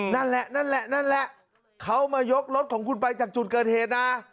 นั่นแหละนั่นแหละเขามายกรถของคุณไปจากจุดเกิดเหตุนะ